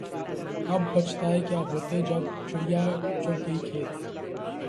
اب بچھتائے کیا ہوت جب چڑیا چگ گئی کھیت